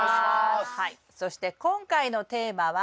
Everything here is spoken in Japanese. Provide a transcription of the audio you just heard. そして今回のテーマは。